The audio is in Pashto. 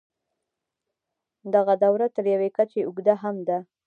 دغه دوره تر یوې کچې اوږده هم وه.